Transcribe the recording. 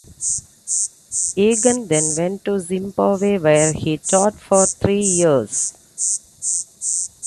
Eggen then went to Zimbabwe, where he taught for three years.